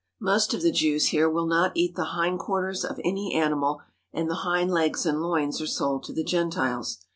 Most of the Jews here will not eat the hind quarters of any animal, and the hind legs and loins are sold to the Gentiles.